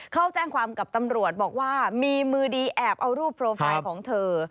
เขาแจ้งความกับตำรวจบอกว่ามีมือดีแอบเอารูปโปรไฟล์ของเธอ